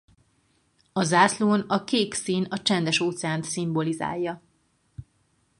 A zászlón a kék szín a Csendes-óceánt szimbolizálja.